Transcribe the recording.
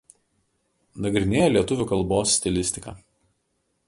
Nagrinėja lietuvių kalbos stilistiką.